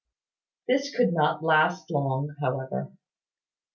This could not last long, however.